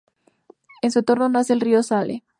En su entorno nace el río Saale.